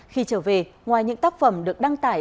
khi trở về ngoài những tác phẩm được đăng tải